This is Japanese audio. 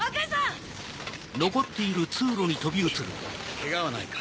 ケガはないか？